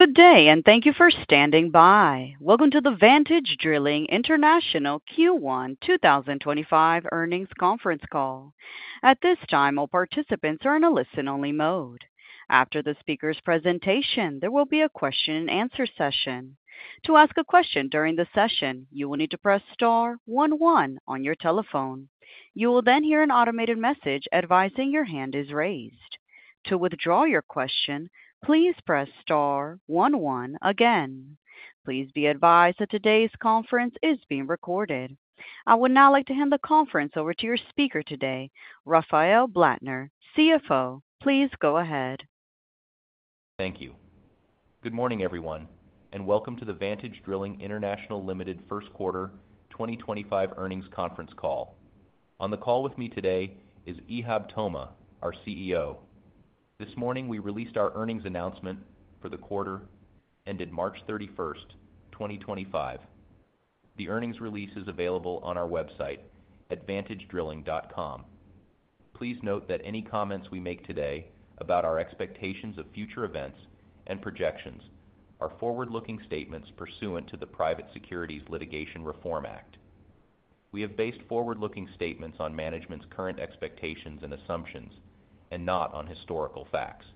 Good day, and thank you for standing by. Welcome to the Vantage Drilling International Q1 2025 earnings conference call. At this time, all participants are in a listen-only mode. After the speaker's presentation, there will be a question-and-answer session. To ask a question during the session, you will need to press star one one on your telephone. You will then hear an automated message advising your hand is raised. To withdraw your question, please press star one one again. Please be advised that today's conference is being recorded. I would now like to hand the conference over to your speaker today, Rafael Blattner, CFO. Please go ahead. Thank you. Good morning, everyone, and welcome to the Vantage Drilling International first quarter 2025 earnings conference call. On the call with me today is Ihab Toma, our CEO. This morning, we released our earnings announcement for the quarter ended March 31, 2025. The earnings release is available on our website, vantagedrilling.com. Please note that any comments we make today about our expectations of future events and projections are forward-looking statements pursuant to the Private Securities Litigation Reform Act. We have based forward-looking statements on management's current expectations and assumptions and not on historical facts.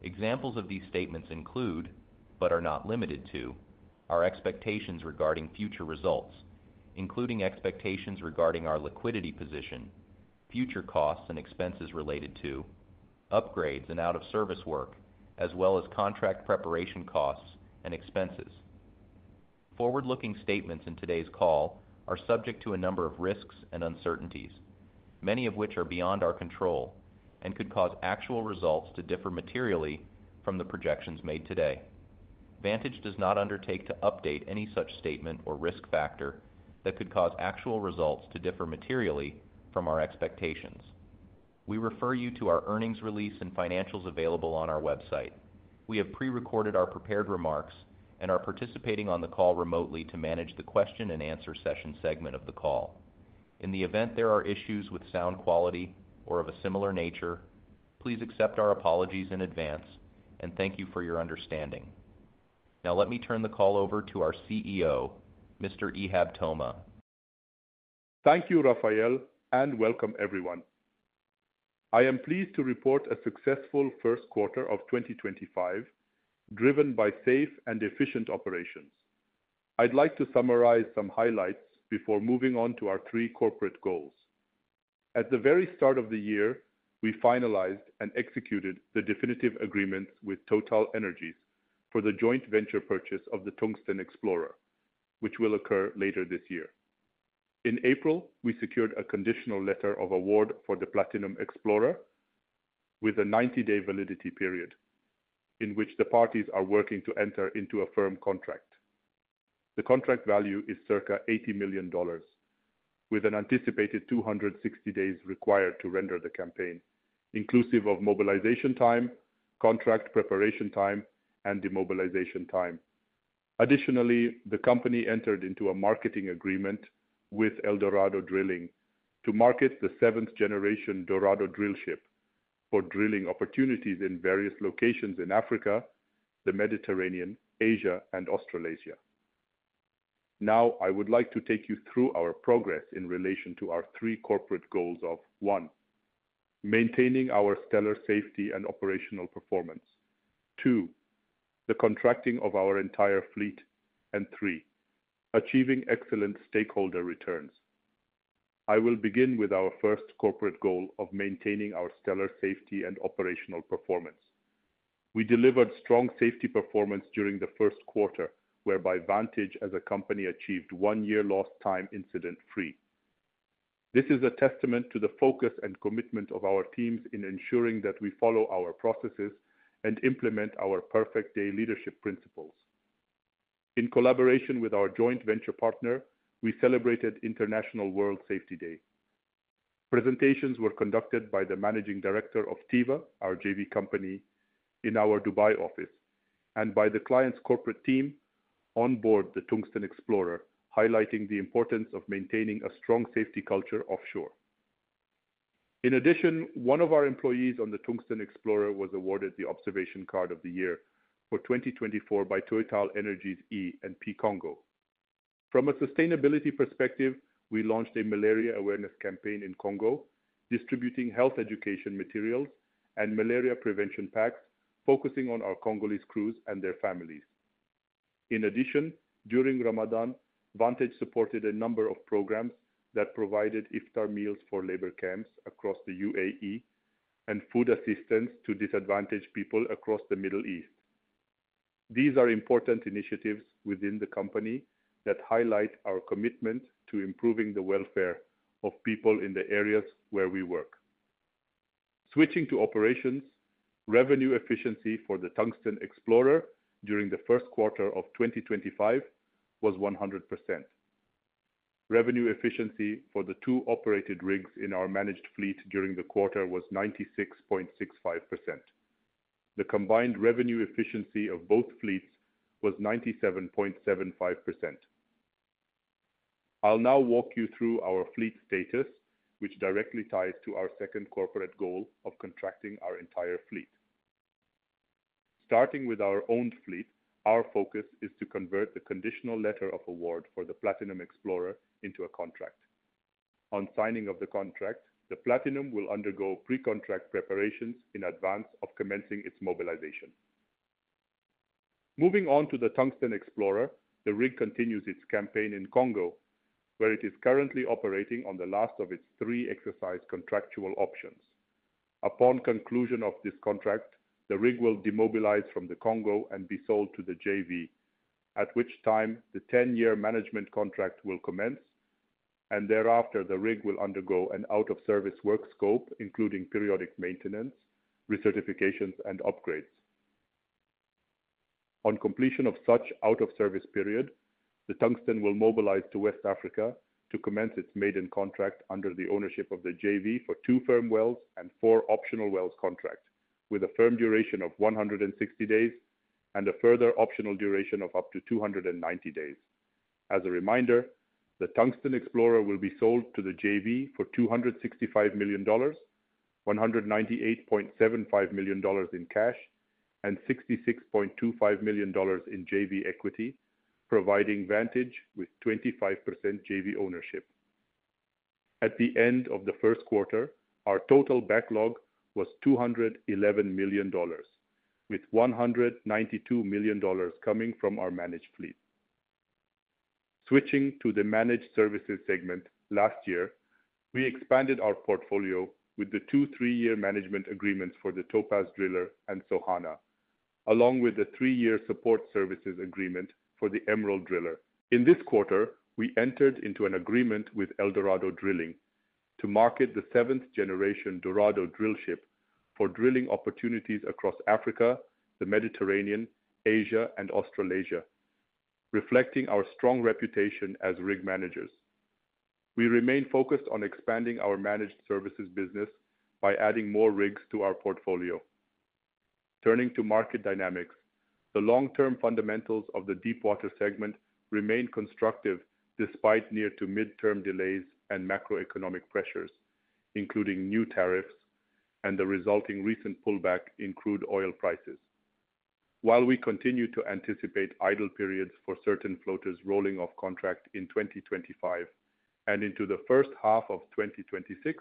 Examples of these statements include, but are not limited to, our expectations regarding future results, including expectations regarding our liquidity position, future costs and expenses related to upgrades and out-of-service work, as well as contract preparation costs and expenses. Forward-looking statements in today's call are subject to a number of risks and uncertainties, many of which are beyond our control and could cause actual results to differ materially from the projections made today. Vantage does not undertake to update any such statement or risk factor that could cause actual results to differ materially from our expectations. We refer you to our earnings release and financials available on our website. We have pre-recorded our prepared remarks and are participating on the call remotely to manage the question-and-answer session segment of the call. In the event there are issues with sound quality or of a similar nature, please accept our apologies in advance and thank you for your understanding. Now, let me turn the call over to our CEO, Mr. Ihab Toma. Thank you, Rafael, and welcome everyone. I am pleased to report a successful first quarter of 2025, driven by safe and efficient operations. I'd like to summarize some highlights before moving on to our three corporate goals. At the very start of the year, we finalized and executed the definitive agreements with TotalEnergies for the joint venture purchase of the Tungsten Explorer, which will occur later this year. In April, we secured a conditional letter of award for the Platinum Explorer with a 90-day validity period, in which the parties are working to enter into a firm contract. The contract value is circa $80 million, with an anticipated 260 days required to render the campaign, inclusive of mobilization time, contract preparation time, and demobilization time. Additionally, the company entered into a marketing agreement with El Dorado Drilling to market the seventh-generation Dorado Drill Ship for drilling opportunities in various locations in Africa, the Mediterranean, Asia, and Australasia. Now, I would like to take you through our progress in relation to our three corporate goals of: 1. Maintaining our stellar safety and operational performance; 2. The contracting of our entire fleet; and 3. Achieving excellent stakeholder returns. I will begin with our first corporate goal of maintaining our stellar safety and operational performance. We delivered strong safety performance during the first quarter, whereby Vantage, as a company, achieved one year lost time incident-free. This is a testament to the focus and commitment of our teams in ensuring that we follow our processes and implement our Perfect Day leadership principles. In collaboration with our joint venture partner, we celebrated International World Safety Day. Presentations were conducted by the Managing Director of Tiva, our JV company, in our Dubai office, and by the client's corporate team on board the Tungsten Explorer, highlighting the importance of maintaining a strong safety culture offshore. In addition, one of our employees on the Tungsten Explorer was awarded the Observation Card of the Year for 2024 by TotalEnergies E&P Congo. From a sustainability perspective, we launched a malaria awareness campaign in Congo, distributing health education materials and malaria prevention packs focusing on our Congolese crews and their families. In addition, during Ramadan, Vantage supported a number of programs that provided iftar meals for labor camps across the UAE and food assistance to disadvantaged people across the Middle East. These are important initiatives within the company that highlight our commitment to improving the welfare of people in the areas where we work. Switching to operations, revenue efficiency for the Tungsten Explorer during the first quarter of 2025 was 100%. Revenue efficiency for the two operated rigs in our managed fleet during the quarter was 96.65%. The combined revenue efficiency of both fleets was 97.75%. I'll now walk you through our fleet status, which directly ties to our second corporate goal of contracting our entire fleet. Starting with our owned fleet, our focus is to convert the conditional letter of award for the Platinum Explorer into a contract. On signing of the contract, the Platinum will undergo pre-contract preparations in advance of commencing its mobilization. Moving on to the Tungsten Explorer, the rig continues its campaign in Congo, where it is currently operating on the last of its three exercise contractual options. Upon conclusion of this contract, the rig will demobilize from the Congo and be sold to the JV, at which time the 10-year management contract will commence, and thereafter the rig will undergo an out-of-service work scope, including periodic maintenance, recertifications, and upgrades. On completion of such out-of-service period, the Tungsten will mobilize to West Africa to commence its maiden contract under the ownership of the JV for two firm wells and four optional wells contract, with a firm duration of 160 days and a further optional duration of up to 290 days. As a reminder, the Tungsten Explorer will be sold to the JV for $265 million, $198.75 million in cash, and $66.25 million in JV equity, providing Vantage with 25% JV ownership. At the end of the first quarter, our total backlog was $211 million, with $192 million coming from our managed fleet. Switching to the managed services segment, last year, we expanded our portfolio with the two three-year management agreements for the Topaz Driller and Sohana, along with the three-year support services agreement for the Emerald Driller. In this quarter, we entered into an agreement with El Dorado Drilling to market the seventh-generation Dorado Drill Ship for drilling opportunities across Africa, the Mediterranean, Asia, and Australasia, reflecting our strong reputation as rig managers. We remain focused on expanding our managed services business by adding more rigs to our portfolio. Turning to market dynamics, the long-term fundamentals of the deep-water segment remain constructive despite near-to-mid-term delays and macroeconomic pressures, including new tariffs and the resulting recent pullback in crude oil prices. While we continue to anticipate idle periods for certain floaters rolling off contract in 2025 and into the first half of 2026,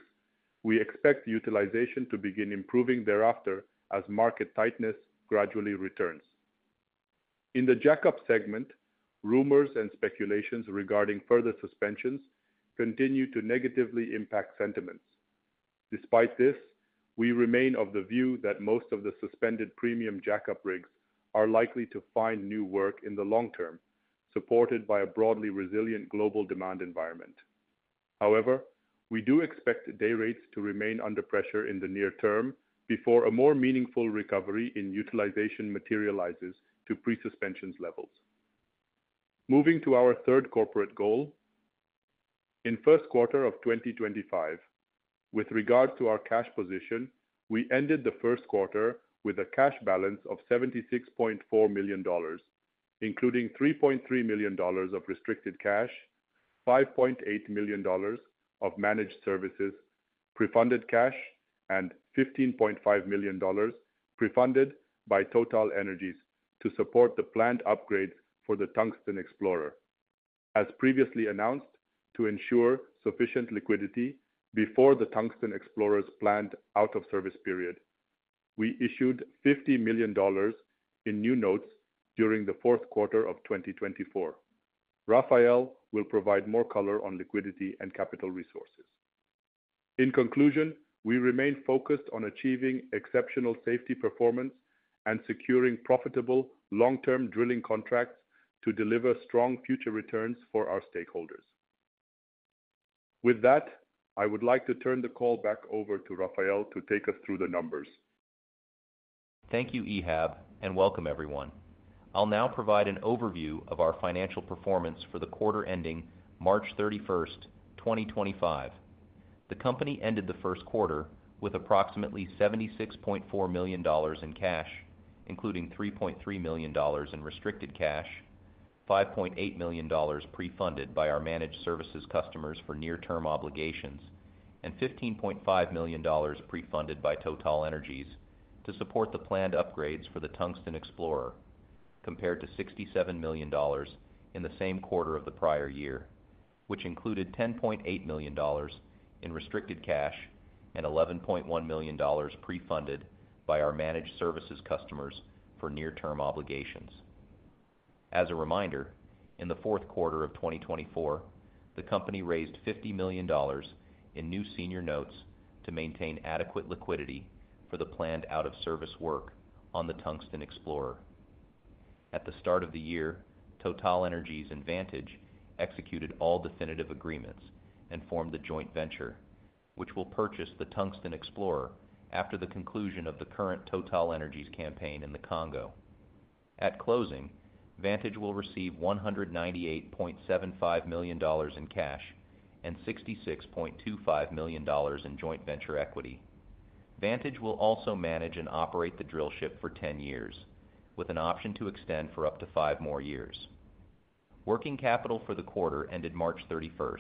we expect utilization to begin improving thereafter as market tightness gradually returns. In the jackup segment, rumors and speculations regarding further suspensions continue to negatively impact sentiments. Despite this, we remain of the view that most of the suspended premium jackup rigs are likely to find new work in the long term, supported by a broadly resilient global demand environment. However, we do expect day rates to remain under pressure in the near term before a more meaningful recovery in utilization materializes to pre-suspensions levels. Moving to our dthird corporate goal, in the first quarter of 2025, with regard to our cash position, we ended the first quarter with a cash balance of $76.4 million, including $3.3 million of restricted cash, $5.8 million of managed services pre-funded cash, and $15.5 million pre-funded by TotalEnergies to support the planned upgrades for the Tungsten Explorer. As previously announced, to ensure sufficient liquidity before the Tungsten Explorer's planned out-of-service period, we issued $50 million in new notes during the fourth quarter of 2024. Rafael will provide more color on liquidity and capital resources. In conclusion, we remain focused on achieving exceptional safety performance and securing profitable long-term drilling contracts to deliver strong future returns for our stakeholders. With that, I would like to turn the call back over to Rafael to take us through the numbers. Thank you, Ihab, and welcome everyone. I'll now provide an overview of our financial performance for the quarter ending March 31, 2025. The company ended the first quarter with approximately $76.4 million in cash, including $3.3 million in restricted cash, $5.8 million pre-funded by our managed services customers for near-term obligations, and $15.5 million pre-funded by TotalEnergies to support the planned upgrades for the Tungsten Explorer, compared to $67 million in the same quarter of the prior year, which included $10.8 million in restricted cash and $11.1 million pre-funded by our managed services customers for near-term obligations. As a reminder, in the fourth quarter of 2024, the company raised $50 million in new senior notes to maintain adequate liquidity for the planned out-of-service work on the Tungsten Explorer. At the start of the year, TotalEnergies and Vantage executed all definitive agreements and formed the joint venture, which will purchase the Tungsten Explorer after the conclusion of the current TotalEnergies campaign in the Congo. At closing, Vantage will receive $198.75 million in cash and $66.25 million in joint venture equity. Vantage will also manage and operate the drill ship for 10 years, with an option to extend for up to five more years. Working capital for the quarter ended March 31,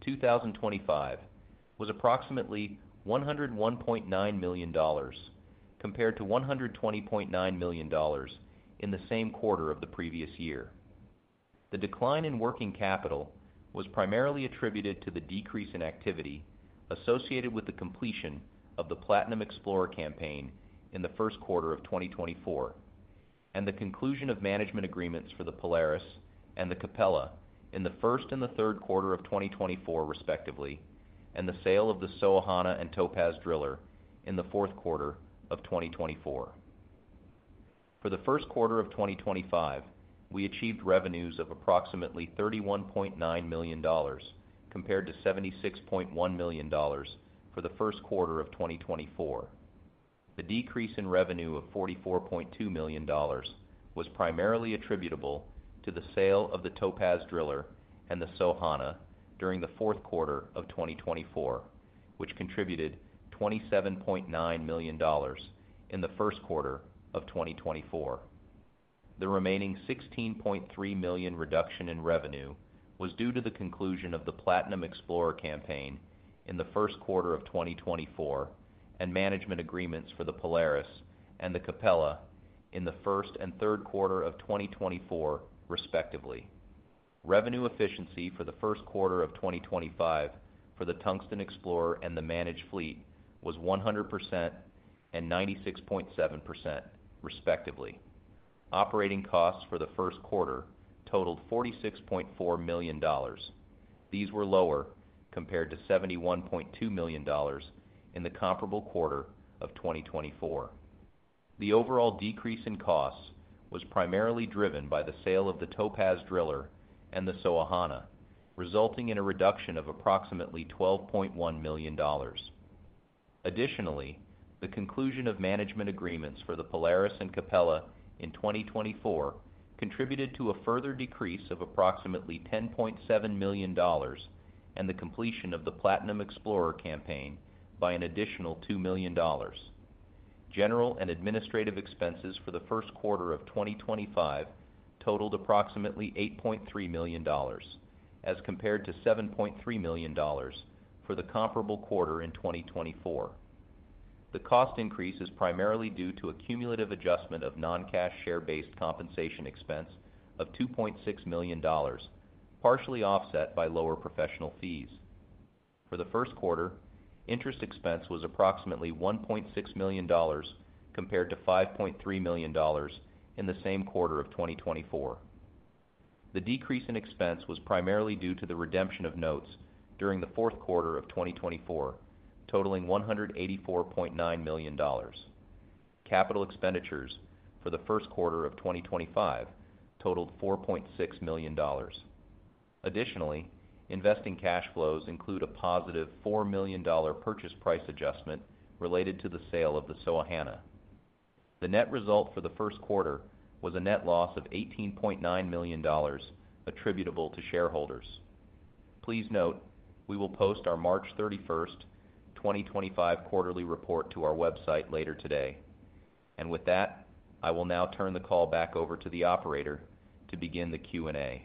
2025, was approximately $101.9 million, compared to $120.9 million in the same quarter of the previous year. The decline in working capital was primarily attributed to the decrease in activity associated with the completion of the Platinum Explorer campaign in the first quarter of 2024, and the conclusion of management agreements for the Polaris and the Capella in the first and the third quarter of 2024, respectively, and the sale of the Sohana and Topaz Driller in the fourth quarter of 2024. For the first quarter of 2025, we achieved revenues of approximately $31.9 million, compared to $76.1 million for the first quarter of 2024. The decrease in revenue of $44.2 million was primarily attributable to the sale of the Topaz Driller and the Sohana during the fourth quarter of 2024, which contributed $27.9 million in the first quarter of 2024. The remaining $16.3 million reduction in revenue was due to the conclusion of the Platinum Explorer campaign in the first quarter of 2024 and management agreements for the Polaris and the Capella in the first and third quarter of 2024, respectively. Revenue efficiency for the first quarter of 2025 for the Tungsten Explorer and the managed fleet was 100% and 96.7%, respectively. Operating costs for the first quarter totaled $46.4 million. These were lower compared to $71.2 million in the comparable quarter of 2024. The overall decrease in costs was primarily driven by the sale of the Topaz Driller and the Sohana, resulting in a reduction of approximately $12.1 million. Additionally, the conclusion of management agreements for the Polaris and Capella in 2024 contributed to a further decrease of approximately $10.7 million and the completion of the Platinum Explorer campaign by an additional $2 million. General and administrative expenses for the first quarter of 2025 totaled approximately $8.3 million, as compared to $7.3 million for the comparable quarter in 2024. The cost increase is primarily due to a cumulative adjustment of non-cash share-based compensation expense of $2.6 million, partially offset by lower professional fees. For the first quarter, interest expense was approximately $1.6 million compared to $5.3 million in the same quarter of 2024. The decrease in expense was primarily due to the redemption of notes during the fourth quarter of 2024, totaling $184.9 million. Capital expenditures for the first quarter of 2025 totaled $4.6 million. Additionally, investing cash flows include a positive $4 million purchase price adjustment related to the sale of the Sohana. The net result for the first quarter was a net loss of $18.9 million attributable to shareholders. Please note, we will post our March 31, 2025 quarterly report to our website later today. With that, I will now turn the call back over to the operator to begin the Q&A.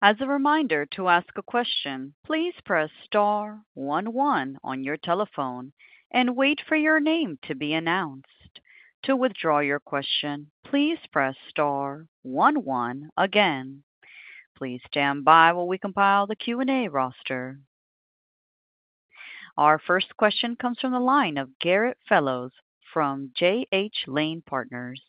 As a reminder to ask a question, please press star one-one on your telephone and wait for your name to be announced. To withdraw your question, please press star one-one again. Please stand by while we compile the Q&A roster. Our first question comes from the line of Garrett Fellows from J.H. Lane Partners.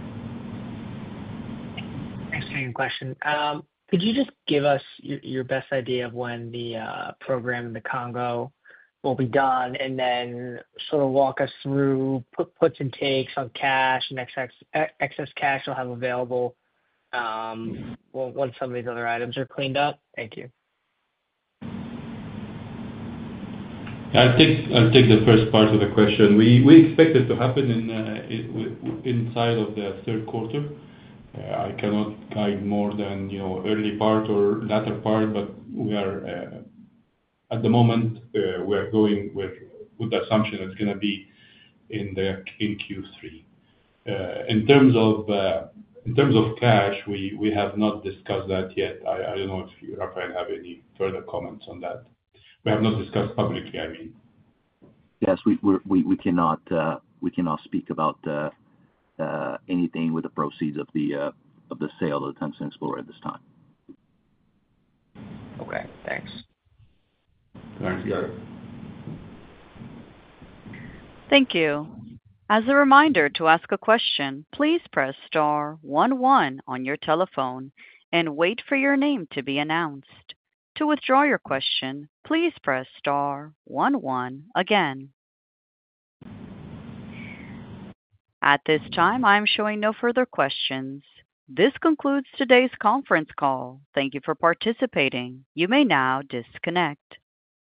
Thanks for your question. Could you just give us your best idea of when the program in the Congo will be done and then sort of walk us through puts and takes on cash and excess cash you'll have available once some of these other items are cleaned up? Thank you. I'll take the first part of the question. We expect it to happen inside of the third quarter. I cannot guide more than early part or latter part, but we are at the moment, we are going with the assumption it's going to be in Q3. In terms of cash, we have not discussed that yet. I don't know if you, Rafael, have any further comments on that. We have not discussed publicly, I mean. Yes, we cannot speak about anything with the proceeds of the sale of the Tungsten Explorer at this time. Okay, thanks. Thanks, Garrett. Thank you. As a reminder to ask a question, please press star one-one on your telephone and wait for your name to be announced. To withdraw your question, please press star one-one again. At this time, I am showing no further questions. This concludes today's conference call. Thank you for participating. You may now disconnect.